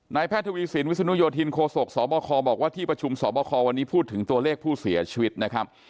แพทย์ทวีสินวิศนุโยธินโคศกสบคบอกว่าที่ประชุมสอบคอวันนี้พูดถึงตัวเลขผู้เสียชีวิตนะครับ